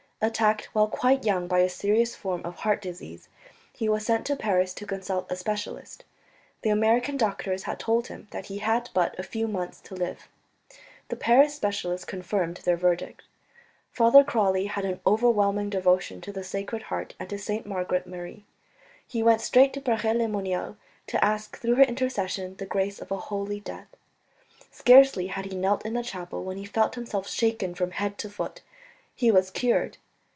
Attacked while quite young by a serious form of heart disease, he was sent to Paris to consult a specialist. The American doctors had told him that he had but a few months to live; the Paris specialist confirmed their verdict. Father Crawley had an overwhelming devotion to the Sacred Heart and to St. Margaret Mary. He went straight to Paray le Monial to ask through her intercession the grace of a holy death. Scarcely had he knelt in the chapel when he felt himself shaken from head to foot. He was cured.